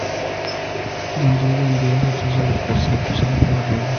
Don Diego envía a Jesús a la cárcel, acusándolo de robo.